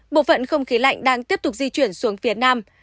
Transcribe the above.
bộ phận không khí lạnh đang tiếp tục di chuyển xuống phía nam